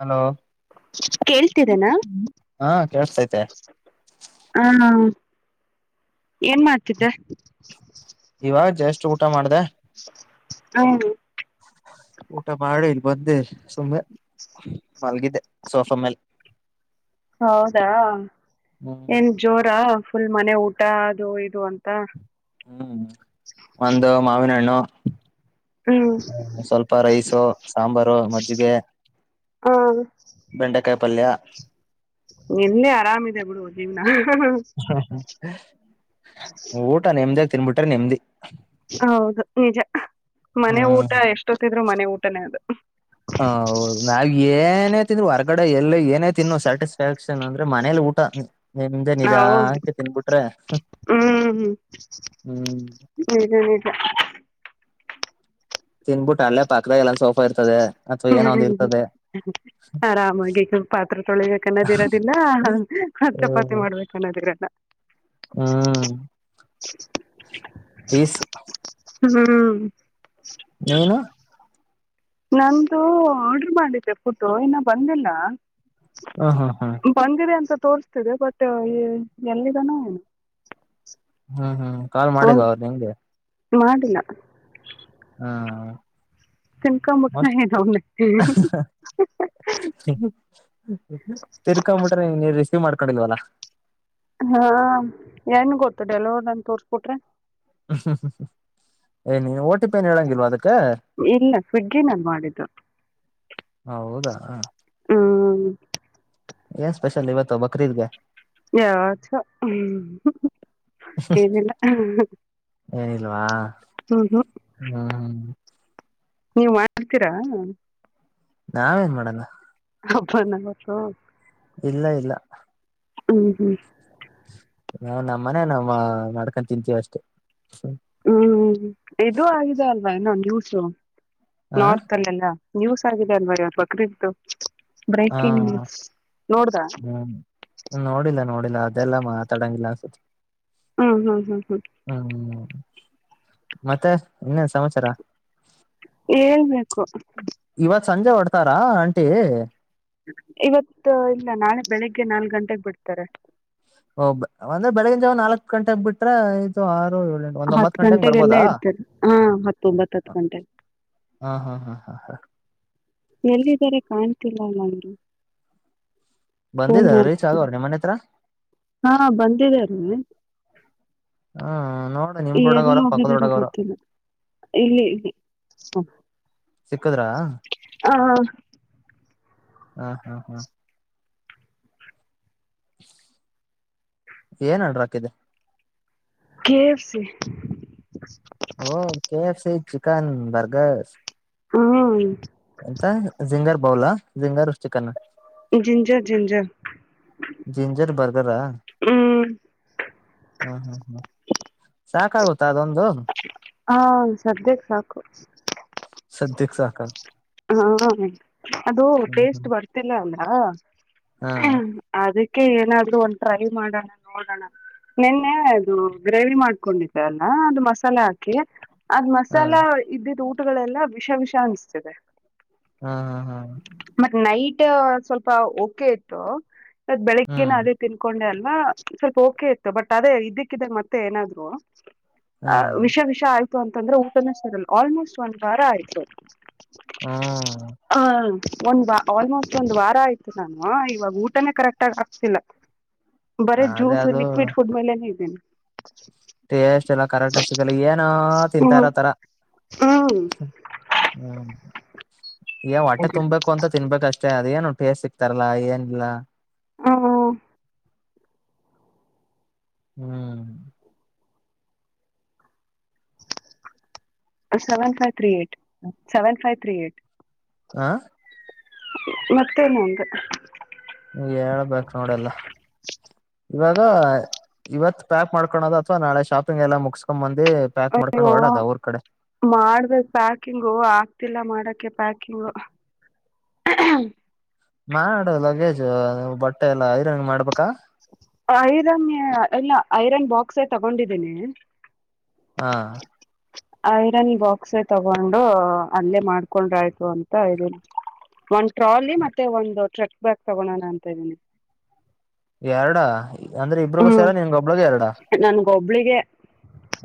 Hello ಕೇಳ್ತಿದೆನಾ ಹಾ ಕೇಳಸ್ತೈತೆ ಹ ಏನ್ ಮಾಡ್ತಿದ್ದೆ ಇವಾಗ್ ಜಷ್ಟ್ ಊಟ ಮಾಡ್ದೆ ಹ್ಮ ಊಟ ಮಾಡಿ ಬಂದೆ ಸುಮ್ಮೆ ಮಲ್ಗಿದೆ ಸೋಫ ಮೇಲ್ ಹೌದಾ ಏನ್ ಹ್ಮ್ ಜೋರಾ ಫುಲ್ ಮನೆ ಊಟ ಅದು ಇದು ಅಂತ ಹ್ಮ್ ಒಂದು ಮಾವಿನ ಹಣ್ಣು ಹ್ಮ್ ಹ್ಮ ಸ್ವಲ್ಪ ರೈಸು ಸಾಂಬಾರು ಮಜ್ಜಿಗೆ ಹ ಬೆಂಡೆಕಾಯ್ ಪಲ್ಯ [unintelligible] ನಿಂದೆ ಆರಾಮದೆ ಬಿಡು ಜೀವ್ನಹಃ ಹಃ ಹಾ ಹಾ ಹ ಊಟ ನಿಮ್ದೆ ತಿನ್ಬಿಟ್ರೆ ನೆಮ್ಮದಿ ಹೌದು ನಿಜ ಮನೆ ಹ್ಮ್ ಊಟ ಎಷ್ಟೊತ್ತ ಆದ್ರು ಮನೆ ಊಟನೇ ಅದು. ಹ ಹೌದು ನಾವ್ ಏನೇ ತಿಂದ್ರು ಹೊರ್ಗಡೆ ಎಲ್ಲ ಏನೇ ತಿಂದರೂ ಸ್ಯಾಟಿಸ್ಫ್ಯಾಕ್ಷನ್ ಅಂದ್ರೆ ಮನೇಲಿ ಊಟ. ನಿಮ್ದೆ ಹ ಹೌದು ನಿಧಾನಕ್ಕೆ ತಿನ್ಬಿಟ್ರೆ ಹ್ಮ್ ಹ್ಮ್ ಹ್ಮ ನಿಜ ನಿಜ ತಿನ್ನಬಿಟ್ಟು ಅಲ್ಲೇ ಪಕ್ಕದಲ್ಲೇ [unintelligible] ಸೋಫ್ ಹ್ಮ್ ಆರಾಮಾಗಿ ಪಾತ್ರೆ ತೊಳಿಬೇಕನ್ನೋದಿರೋದಿಲ್ಲ ಹ್ ಹ ಚಪಾತಿ ಹ್ಮ್ ಮಾಡ್ಬೇಕನ್ನೋದಿರಲ್ಲ. [inaudible] ಕೀಸ್. ಹ್ಮ್ಹ್ಮ್ ನೀನು. ನಂದು ಆಡ್ರು ಮಾಡಿದ್ದೆ ಫುಡ್ಡು ಇನ್ನ ಬಂದಿಲ್ಲ. ಹ ಹಾ ಹ್ಮ್. ತೋರ್ಸ್ತಿದೆ ಬಟ್ ಎ ಎಲ್ಲಿದನೊ. ಹ್ಮ ಹ್ಮ. ಕಾಲ್ ಮಾಡಿಲ್ವ ಅವ್ರ್ ನಿಂಗೆ. ಮಾಡಿಲ್ಲ. ಹಾ ತಿನ್ಕೊಂಬಿಟ್ನ ಮೋಸ್ಟ ಏನು ಅವನೇ ಹಃ ಹ ತಿರ್ಕ ಮುಟ್ರೆ ಹೆಂಗೇರಿ. ನೀವ್ ಮಾಡ್ಕೊಂಡಿಲ್ವಲ್ಲ. ಹಾ ಏನ್ ಗೊತ್ತು ಡೆಲಿವರ್ಡ್ ಅಂತ ತೋರ್ಸ್ಬುಟ್ರೆ. ಹ್ಮ ಹ. ಏ ನೀ ಓಟ್ ಇಲ್ಲ ಸ್ವಿಗ್ಗಿ ನಾನ್ ಮಾಡಿದ್ದು. ಹಾ ಹ್ಮ ಎನ್ ಸ್ಪೆಷಲ್ ಇವತ್ತು ಬಕ್ರಿದ್ಗೆ. ಯೊ ತು ಏನಿಲ್ಲ. ಇವಾ. ಹ್ಮ್ ಹ್ಮ್ ನೀವ್ ಮಾಡ್ಸ್ತಿರಾ. ನಾವೇನ್ ಮಾಡನಾ. ಹಬ್ಬನ್ನ ಇವತ್ತು. ಇಲ್ಲ ಇಲ್ಲ. ಹ್ಮ್ ಹ್ಮ್. ನಾವ್ ನಮ್ಮನೆ ನಮ್ಮಾ ಮಾಡ್ಕಂಡ್ ತಿಂತೀವ್ ಅಷ್ಟೇ. ಹ್ಮ್ ಇದು ಆಗಿದೆ ಅಲ್ ವೇನೋ ನ್ಯೂಸು. ಹ ನೋರ್ಕ್ ಅಲೆಲ್ಲ. ನ್ಯೂಸ್ ಆಗಿದೆ ಅಲ್ವರಿ ಅ ಬಕ್ರಿದ್ದು. ಹಾ ಬ್ರೇಕಿಂಗ್ ನ್ಯೂಸ್, ನೋಡ್ದ. ಇಲ್ಲ ಅದೆಲ್ಲ ಮಾತಡಂಗಿಲ್ಲ ಅನ್ಸುತ್ ಹ್ಮ್ ಹ್ಮ್ ಹ್ಮ್ ಹ್ಮ್ ಹ್ಮ್. ಮತ್ತೆ ಇನ್ನೇನ್ ಸಮಾಚಾರ. ಏನ್ ಕ್ಕು. ಇವತ್ ಸಂಜೆ ಹೊಡ್ತಾರಾ ಆಂಟೀ. ಇವತ್ತು ಇಲ್ಲ ನಾಳೆ ಬೆಳಿಗ್ಗೆ ನಾಲ್ಕ್ ಗಂಟೆಗ್ ಬಿಡ್ತಾರೆ. ಓ ಬ ಒಂದ್ರೆ ಬೆಳಗಿನ್ ಜಾವ ನಾಲ್ಕಕ್ ಗಂಟೆಂಗ್ ಬಿಟ್ರೆ ಐದು ಆರ್ ಹತ್ ಗಂಟೆಗೆಲ್ಲ ಇರ್ತದೆ ಹಾ ಹತ್ತೊಂಬತ್ತ ಹತ್ ಗಂಟೆಗೆ. ಹಾ ಹಾ ಹಾ ಹಾ ಎಲ್ಲಿದಿರಿ ಕಾಣ್ಸ್ [unintelligible] ಬಂದಿದರ ರೀಚಾಗವ್ರ್ ನಿಮ್ಮ್ ಮನೆತ್ರ. ಹಾ ಬಂದಿದ್ದಾರೇ, ಹ್ಮ್ ನೋಡು ನಿಮ್ ಈ ಎಲ್ಲ್ ರೋಡಾಗವ್ರ ಪಕ್ಕದ ಹೋಗಿದರೋ ರೋಡಾಗವ್ರ ಗೊತ್ತಿಲ್ಲ. ಇಲ್ಲಿ ಇಲ್ಲಿ ಸ್ಟಾಪ್. ಸಿಕ್ಕದ್ರಾ ಹ ಹಾ. ಹಾ ಹಾ ಹಾ. ಏನ್ ಆರ್ಡರ್ಕ್ಕಿದ್ದೆ. K FC. ಓ K F C chicken burgers. ಹಾ. ಎಂತ ಜಿಂಗಾರ್ ಬೌಲ ಜಿಂಗಾರ್ವ್ ಚಿಕನ್ನ. ಜಿಂಜರ್ ಜಿಂಜರ್ ಜಿಂಜರ್ ಬರ್ಗರ್ರ. ಹ್ಮ್ ಹ್ಮ ಹ್ಮ ಹ್ಮ. ಸಾಕಾಗುತ್ತಾ ಅದೊಂದ್ ದ್ದೂ ಹಾ ಸದ್ಯಕ್ ಸಾಕು. ಸದ್ಯಕ್ಕ್ ಸಾಕ. ಹಾ [unintelligible] ಅದು ಟೇಸ್ಟ್ ಹ್ಮ್ ಬರ್ತಿಲ್ಲ ಅಲ್ಲ. ಹಾ. ಹಾ [unintelligible] ಆದ್ ಕ್ಕೆ ಏನಾದ್ರು ಒಂದ್ ಟ್ರೈ ಮಾಡಣ ನೋಡಣ, ನಿನ್ನೆ ಇದು ಗ್ರೇವಿ ಮಾಡ್ಕೊಂಡಿದ್ದೆ ಅಲ್ಲ ಅದು ಮಸಾಲೆ ಹಾಕಿ ಅದ್ ಹಾ ಮಸಾಲ ಇದಿದ್ ಗಳೆಲ್ಲಾ ವಿಷ ವಿಷ ಅನ್ಸ್ತಿದೆ ಹ್ಮ್ ಹ್ಮ ಹ್ಮ್ ಮತ್ ನೈಟ್ ಸ್ವಲ್ಪ ಓಕೆ ಇತ್ತು ಅದ್ ಬೆಳಗ್ಗೆನ ಹ್ಮ್ ಅದೇ ತಿನ್ಕೊಂಡ್ವಿ ಸ್ವಲ್ಪ ಓಕೆ ಇತ್ತು ಬಟ್ ಅದೇ ಇದಕ್ಕಿದ್ದ ಮತ್ತೆ ಏನಾದ್ರು ಹಾ ಆ ವಿಷ ವಿಷ ಆಯ್ ಅಂತಂದ್ರೆ ಊಟನ ಸರಲ್ ಆಲ್ಮೋಸ್ಟ್ ಒಂದ್ ವಾರ ಆಯ್ತು ಹ್ಮ್ ಆ ಒಂದ್ ಬಾ ಆಲ್ಮೋಸ್ಟ್ ಒಂದ್ ವಾರ ಆಯ್ತು ನಾನು ಇವಾಗ ಊಟನೇ ಕರೆಕ್ಟ್ ಆಗ ಆಕ್ತಿಲ್ಲ ಬರೇ ಅದೇ ಜ್ಯೂಸ್ ಅದು ಲಿಕ್ವಿಡ್ ಫುಡ್ ಮೇಲೆನೆೇ ಇದ್ದೇನೆ ಟೇಸ್ಟ್ ಎಲ್ಲ ಕರೆಕ್ಟಗ ಸಿಗಲ್ಲ ಏನ ತಿಂತ ಹ್ಮ ಇರೋ ತರ ಹ್ಮ್ ಹ್ಮ ಹೊಟೆ ತುಂಬಬೇಕು ಅಂತ ತಿನ್ಬೇಕಕ್ಷ್ಟೆ ಮ ಅದ ಏನು ಟೇಸ್ಟ್ ಸಿಗ್ತಾರಲ್ಲಾ ಏನಿಲ್ಲ ಹ್ಮ್ ಹ್ಮ್ seven five three eight seven five three eight ಆ ಮತ್ತೇನಂದು ಹೇಳ್ಬೇಕು ನೋಡಲ್ಲ ಇವಾಗ ಇವತ್ ಪ್ಯಾಕ್ ಮಾಡ್ಕೊಳದು ಅಥವಾ ನಾಳೆ ಶಾಪಿಂಗ್ ಎಲ್ಲ ಮುಗಸ್ಕೊ ಬಂದ ಅಯ್ಯೋ ಮಾಡ್ಬೇಕ್ ಪ್ಯಾಕಿಂಗ್ ಆಗ್ತಿಲ್ಲ ಮಾಡಕ್ಕೆ ಬಾಕಿಂಗ ಮಾಡ ಲಗೇಜ್ ಬಟ್ಟೆ ಎಲ್ಲ ಐರಂಗ ಮಾಡ್ಬೇಕಾ ಐರನ್ ಎಲ್ಲ ಐರನ್ ಬಾಕ್ಸೇ ತಗೊಂಡಿದ್ದೀನಿ ಹಾ ಐರನ್ ಬಾಕ್ಸ ತಗೊಂಡು ಅಲ್ಲೇ ಮಾಡ್ಕೊಂಡ್ರ ಆಯ್ತು ಅಂತ ಒ ಟ್ರಾಲಿ ಮತ್ತೆ ಒಂದು ಟ್ರಕ್ರ್ ಬ್ಯಾಗ್ ತಗೋಣಣ ಅಂತ ಇದ್ದೀನಿ ಎರಡ ಅಂದ್ರೆ ಇಬ್ಬರಿಗೂ ಸೇರ ನಿನ್ಗ ಒಬ್ಳಗ ಎರಡ ಹಬ್ಳಿಗೆ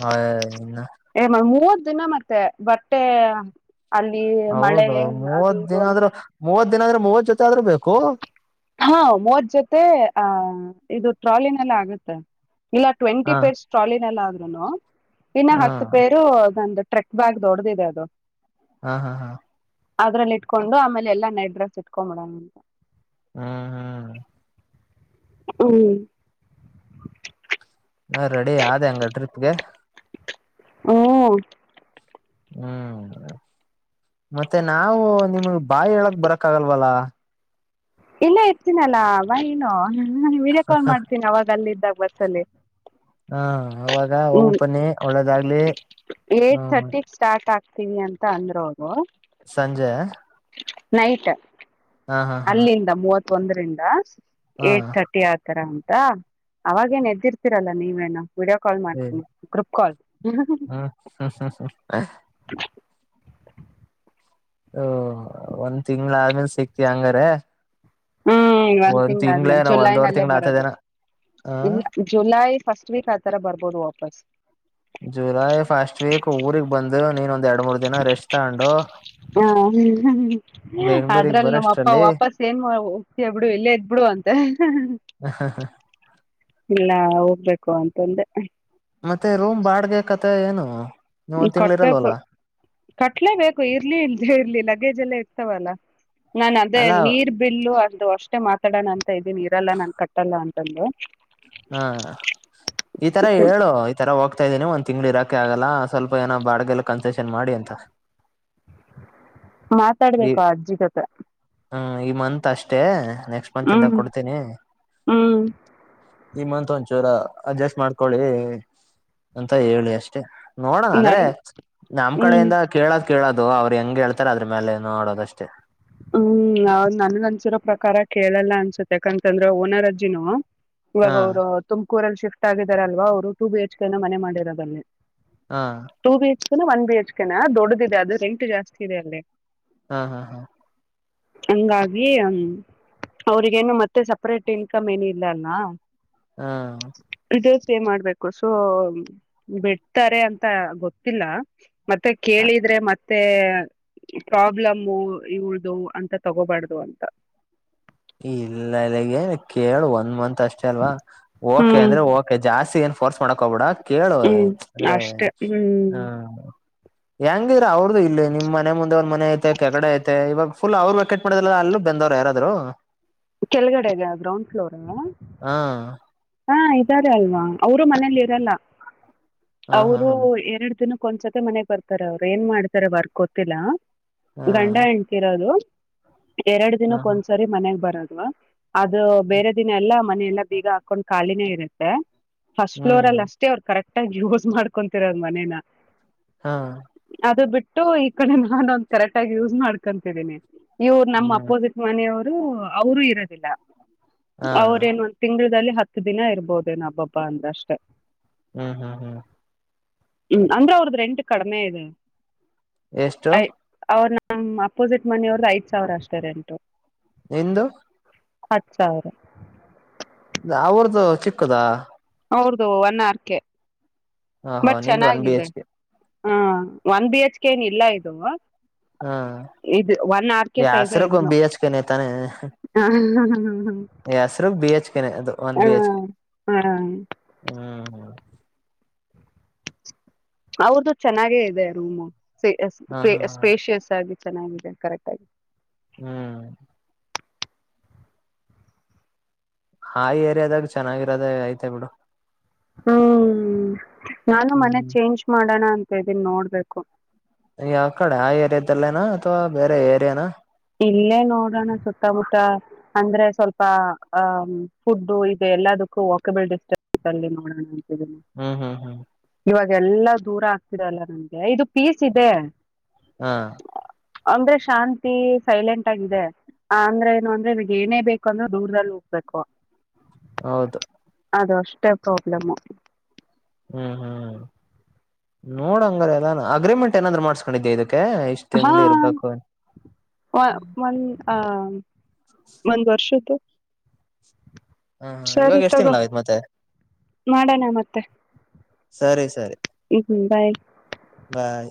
ಹ ಎಮ್ಮ ಹೂ ದಿನ ಮತ್ತೆ ಬಟ್ಟೆ ಅಲ್ಲಿ ಮಳೆ ಹೌದೌದು ಅದು ಮೂವತ್ ಇದು ದಿನ ಅಂತ ಆದ್ರೂ ಮೂವತ್ ದಿನ ಅ ಆದ್ರೆ ಮೂವತ್ ಜೊತೆ ಆದ್ರೂ ಬೇಕು ಹಾ ಮೂವತ್ ಜೊತೆ ಆಹ ಇದು ಟ್ರಾಲಿನಲ್ಲ ಆಗುತ್ತೆ ಇಲ್ಲ ಟ್ವೆಂಟಿ ಹ ಪೇರ್ಸ್ ಟ್ರಾಲಿನಲ್ಲಿ ಆಗ್ ನಾನು ಇನ್ನು ಹ ಹತ್ತು ಪೇರು ಗಂದು ಟ್ರೆಕ್ ಬ್ಯಾಗ್ ದೊಡ್ದಿದೆ ಅದು ಹಾ ಹಾ ಹಾ [unintelligible] ಅದ್ರಲ್ಲಿ ಇಟ್ಕೊಂಡು ಆಮೇಲೆ ಎಲ್ಲಾ ನೈಟ್ ಡ್ರಸ್ ಇಟ್ಕೊಂಡ್ಬಿಡಣ ಹ್ಮ್ ಹ್ಮ್ ಹ್ಮ ನಾ ರೆಡಿ ಅ ಹಂಗ ಟ್ರಿಪ್ಗೆ ಹ [unintelligible] ಹ್ಮ್ ಮತ್ತೆ ನಾವು ನಿಮ್ಗ್ ಬಾಯಿ ಹೇಳಕ್ ಬರಕ್ ಆಗಲ್ವಲ್ಲ ಇಲ್ಲ ಇರ್ತೀನಲ್ಲ ಅವ ಏನು ನ ವಿಡಿಯೋ ಕಾಲ್ ಮಾಡ್ತೀನಿ ಅವಾಗ ಅಲ್ಲಿದ್ದಾಗ ಬಸ್ಲ್ಲಿ ಹ ಅವಾಗ ಹ್ಮ ಹೋಗ್ ಬನ್ನಿ ಒಳ್ಳೇದಾಗ್ಲಿ ಏ ಹ್ಮ ತರ್ಟಿ ಸ್ಟಾರ್ಟ್ ಆ ತೀವಿ ಅಂತ ಅಂದ್ರ ಹೋಗದು ಸಂಜಯ ನೈಟ್ ಅಲ್ಲಿಂದ ಮೂವತ್ತು ಒಂದ್ರಿಂದ ಹಾ ಏಟ್ ತರ್ಟಿ ಆತರ [unintelligible] ಅವಾಗೇನ್ ಎದ್ದಿರ್ತೀರಲ್ಲ ನೀವೇನು ವಿಡಿಯೋ ಕಾಲ್ ಹ್ಮ್ ಮಾಡ್ತೀನಿ ಗ್ರೂಪ್ ಕಾಲ್ ಹ್ಮ್ ಹ್ಮ್ ಓ ಒಂದ್ ತಿಂಗ್ಳ ಆದ್ಮೇಲ್ ಸಿಕ್ತಿ ಹಂಗಾರ ಹ್ಮ್ ಒಂದ್ ತಿಂಗಳು ಆದ್ಮೇಲೆ ತಿಂಗ್ಳೇನ ಜುಲೈ ಒಂದ್ವರ್ ನಲ್ಲೇ ತಿಂಗ್ಳ ಬರೋದು ಆತದೇನ ಹ ಇ ಜುಲೈ ಫಸ್ಟ್ ವೀಕ್ ಆತರ ಬರ್ಬೋದು ಬಸ್ ಜುಲೈ ಫಸ್ಟ್ ವೀಕ್ ಊರಿಗೆಗ್ ಬಂದು ನಿನ್ ಒಂದ್ ಎರಡ್ ಮೂರ್ ದಿನ ರೆಸ್ಟ್ ತಗೊಂಡು ಹ ಬೆಂಗಳೂರು ಅದ್ರಲ್ಲಿ ಬರ ನಮ್ಮ ಅಪ್ಪ ಅಷ್ಟಲ್ಲಿ ವಾಪಸ್ ಏನ್ ಬಿಡು ಇಲ್ಲೇ ಇದದ್ ಬಿಡು ಅಂತ ಇಲ್ಲ ಹೋಗ್ಬೇಕು ಅಂತಂದ ರೂಮ್ ಬಾಡ್ಗೆ ಮತ್ತೆ ಏನು ನೀವ್ ಹ್ಮ ಒಂದ್ ತಿಂಗ್ಳ ಕಟ್ಬೇಕು ಇರಲ್ವಲ್ಲ ಕಟ್ಲೇಬೇಕು ಇರ್ಲಿ ಇಲ್ದೆ ಇರ್ಲಿ ಲಗೇಜ್ ಎಲ್ಲ ಇರ್ ಷ್ಟವಲ್ಲ ನಾನ ಅದೇ ಅಲ್ಲ ನೀರ್ ಬಿಲ್ಲು ಅ ದು ಅಷ್ಟೇ ಮಾತಾಡಣ ಇದೀನ್ ಇರಲ್ಲ ನನ್ ಕಟ್ಟಲ್ಲ ಅಂತ [inaudible] ಹಾ ಈ ತರ ಹೇಳು ಈ ತರ ಹೋಗ್ತಾ ಇದ್ದೀನಿ ಒಂದ್ ತಿಂಗ್ಳಿ ಇರಾಕ್. ಆಗಲ್ಲ ಸ್ವಲ್ಪ ಏನೋ ಬಾಡ್ಗೆಲು ಕನ್ಸೆಷನ್ ಮಾಡಿ ಅಂತ. ಮಾತಾಡ್ಬೇಕು ಆ ಅಜ್ಜಿ ಜೊತೆ. ಇ ಮನ್. ಮಂತ್ ಅಷ್ಟೇ ನೆಕ್ಸ್ಟ್ ಮಂತ್ ಇಂದ ಹ್ಮ್ ಕೊಡ್ತೀನಿ. ಹ್ಮ್ ಒಂಚೂರು ಅಡ್ಜಸ್ಟ್ ಮಾಡ್ಕೊಳ್ಳಿ ಅಂತ ಹೇಳಿ ಅಷ್ಟೇ. ನೋಡೋಣ ಅಂದ್ರೆ ನನ್ ನಮ್ ಹ್ಮ್ ಕಡೆಯಿಂದ ಕೇಳಕ್. ಕೇಳೋದು ಅವ್ರು ಹೆಂಗ್ ಹೇಳ್ತಾರೆ ಅದ್ರ ಮೇಲೆ ನೋಡದಷ್ಟೇ. ಹ್ಮ್ ನನ್ ಅನ್ಸಿರೋ ಪ್ರಕಾರ ಕೇಳಲ್ಲ ಅನ್ಸತ್ತ ಯಾಕಂತಂದ್ರ ಓನರಜ್ಜಿನು ಇವಾಗ ಹಾ ಅವರು ತುಮ ಕೂರಲ್ಲಿ ಶಿಫ್ಟ್ ಆಗಿದಾರ ಅಲ್ವ ಅವರು ಟು ಬಿ ಎಚ್ ಕೆ ನ ಮನೆ ಮಾಡಿರೋದಲ್ಲಿ ಹಾ two B H one B H ಕೆನಾ ದೊಡ್ಡದದೆ ಅದು ರೆಂಟ್ ಜಾಸ್ತಿ ಇದೆ ಅಲ್ಲಿ ಹಾ ಹಾ ಹಾ ಹಂಗಾಗಿ ಹ್ಮ ಅವ್ರಿಗೇನು ಮತ್ತೆ ಸಪ್ರೇಟ್ ಇನ್ಕಮ್ ಏನ ಇಲ್ಲ ಅಲ್ಲ ಹಾ ಷ್ಟೇ ಮಾಡ್ಬೇಕು ಸೊ ಬಿಡ್ತಾರೆ ಅಂತ ಗೊತ್ತಿಲ್ಲ ಮತ್ತೆ ಹಾ ಕೇಳಿದ್ರೆ ಮತ್ತೆ ಮತ್ತೆ ಪ್ರಾಬ್ಲಮು ಇ ಉಳ್ದ ಅಂತ ತಗೋಬಾರ್ದು ಅಂತ ಇಲ್ಲ ಇಗೆ ಕೇಳು ಒಂದ್ ಮಂತ್ ಅಷ್ಟೇ ಅಲ್ವಾ ಓಕೆ ಹ್ಮ್ ಅಂದ್ರೆ ಓಕೆ ಜಾಸ್ತಿ ಏ ಕೋರ್ಸ್ ಮಾಡಕ್ ಹೋಗ್ಬಿಡ ಕೇಳು ಹ್ಮ್ ಅಂದ್ರೆ ಅಷ್ಟೆ ಹ್ಮ್ ಹ್ಮ ಹೆಂಗಿದರ ಅವ್ರ್ದು ಇಲ್ಲಿ ನಿಮ್ನೆ ಮುಂದೆ ಒಂದ್ ಮನೆ ಐತೆ ಕೆಗಡೆ ಐತೆ ಇವಾಗ ಫುಲ್ ಅವರು ವ ಬಕೆಟ್ ಮಾಡ ಅಲ್ಲೂ ಬೆಂದವ್ರು ಯಾರಾದ್ರು ಕೆಳಗಡೆಗ ಗ್ರೌಂಡ್ ಫ್ಲೋರ್ ಹಾ ಸರಿ ಅಲ್ವಾ ಅವರು ಮನೇಲಿ ಇರಲ್ಲ ಹಾ ಹಾ ಅವರು ಹಾ ಎರಡು ದಿನ ಒಂದ್ಸತೆ ಮನೆಗ್ ಬರ್ತಾರೆ ಅವ್ರು ಏನ್ ಮಾಡ್ತಾರೆ ವರ್ಕ್ ಗೊತ್ತಿಲ್ಲ ಹಾ ಗಂಡ ಹೆಂತಿರೋದು ಎರಡು ಹಾ ದಿನಕ್ಕ ಹಾ ಒಂದ್ಸರಿ ಮನೆಗ ಬರದು ಅದು ಬೇರೆ ದಿನ ಎಲ್ಲಾ ಮನೆಯೆಲ್ಲಾ ಬೀಗ ಹಾಕೊಂಡ್ ಖಾಲಿನೇ ಇರುತ್ತೆ ಪಸ್ಟ್ ಪ್ಲೋರ ಹ್ಮ್ ಅಲ್ಲಿ ಅವ್ರ ಕರೆಕ್ಟ್ ಕಟ್ಟಾಗಿ ಯೂಸ್ ಮಾಡ್ಕೊತಿರಂಗ ಮನೇನ ಹಾ ಅದು ಬಿಟ್ಟು ಈ ಕಡೆ ನಾನು ಒಂದ ಕರೆಕ್ಟ್ ಆಗ ಯೂಸ್ ಮಾಡ್ಕೊಂತಿದೀನಿ ಇವ್ರು ನಮ್ಮ್ ಹ್ಮ್ ಅಪೋಸಿಟ್ ಮನೆಯವ್ರು ಹ ಅವರುೂ ಇರೋದಿಲ್ಲ ಹಾ ಅವ್ರೇನ್ ಒಂದ ತಿಂಗಳ್ದಲ್ಲಿ ಹತ್ತು ದಿನ ಇರ್ಬೋದೇನ ಹಬ್ಬಬ್ಬ ಅಂದಷ್ಟೇ ಹ್ಮ್ ಹ್ಮ್ ಹ್ಮ್ ಹ್ಮ್ ಅಂದ್ರೆ ಅವ್ರ್ದ ರೆಂಟ್ ಕಡಿಮೆ ಇದು ಎಷ್ಟು ನಮ್ಮ್ ಅಪೋಸಿಟ್ ಮನೆಯವ್ರ ಐದು ಸಾವಿರ ಅಷ್ಟೆ ರೆಂಟು ಎಂದು ಹತ್ತು ಸಾವಿರ ಅವ್ರ್ದು ಚಿಕ್ಕದ ಹೌದು ಒನ್ ಆರ್ ಕೆ ಹ ಹಾ ನಿಂದ ಒನ್ ಬಿ ಹೆಚ್ ಕೆ ಹಾಂ ಒನ್ ಬಿ ಹೆಚ್ ಕೆೇನು ಇಲ್ಲ ಇದು ಹ್ಮ ಇದು ಒನ್ ಆರ್ ಕೆ ಸೈಜ ಯಾಸರುಕ ಇದನು ಬಿ ಎಚ್ಕನೆ ತಾನೆ ಹ್ಮ [unintelligible] ಹೆಸರಿಗ್ ಬಿಚ್ ಅದು ಒನ್ ಬಿ ಹೆಚ್ ಹ ಹ ಹ್ಮ್ ಹೌದು ಚೆನ್ನಾಗೇ ಇದೆ ರೂಮು ಹಾ ಸ್ಪ ಹಾ ಸ್ಪೇಷಿಯಸ್ ಆಗಿ ಚೆನ್ನಾಗಿದೆ ಕರೆಕ್ಟ್ ಆಗ ಹ್ಮ್ ಹಾಯಿ ಏರಿಯದಾಗ ಚೆನ್ನಾಗಿ ಇದೇ ಆಯ್ತಾ ಬಿಡು ಹ್ಮ್ ನಾನು ಮನೆ ಹ್ಮ್ ಚೇಂಜ್ ಮಾಡೋಣ ಅಂತ ನ್ ನೋಡ್ಬೇಕು ಯಾವ ಕಡೆ ಆ ಏರಿಯಾದಲ್ಲೇನಾ ಅಥ್ವಾ ಬೇರೆ ಏರಿಯಾನ ಇಲ್ಲೇ ನೋಡೋಣ ಸುತ್ತಮುತ್ತ ಅಂದ್ರೆ ಸ್ವಲ್ಪ ಆಹ ಫುಡ್ ಇದೆ ಎಲ್ಲದಕ್ಕೂ ವಾಕಬಲ್ ಡಿಸ್ಟೆನ್ಸ್ ಅಲ್ಲಿ ನೋಡೋಣ ಅಂತಿದೀನಿ ಹ್ಮ್ ಹ್ಮ್ ಹ್ಮ್ ಇವಾಗ ಎಲ್ಲಾ ದೂರ ಆಗ್ತಿದಲ್ಲ ನಂಗೆ ಇದು ಪೀಸ್ ಇದೆ ಹಾ ಅಂದ್ರೆ ಶಾಂತಿ ಸೈಲೆಂಟ್ ಆಗಿದೆ ಅಂದ್ರೆ ಏನು ಅಂದ್ರೆ ಇವಗ್ ಏನೇ ಬೇಕು ಅಂದ್ರೂ ದೂರದಲ್ಲಿ ಹೋಗ್ಬೇಕು ಹೌದು ಅದು ಅಷ್ಟೇ ಪ್ರಾಬ್ಲಮು ಹ್ಮ್ ಹ್ಮ್ ನೋಡಂಗ್ರ ಎಲ್ಲ ಅಗ್ರಿಮೆಂಟ್ ಏನಾದ್ರೂ ಮಾಡ್ಸ್ಕೊಂಡಿದ್ದೆ ಇದಕ್ಕೆ ಇಷ್ಟ್ ಹಾ ತಿಂಗ್ಳ ಇರ್ಬೇಕು ಒಂದ್ ಅ ಒಂದ್ ವರ್ಷದ್ದು ಹಾ ಸರಿ ಇವಾಗ ಎಷ್ಟ್ ತಗೋ ತಿಂಗ್ಗಳ ಆಯ್ತ್ ಮತ್ತೆ ಮಾಡೋಣ ಮತ್ತೆ ಸರಿ ಸರಿ ಹ್ಮ್ ಬಾಯ್. ಬಾಯ್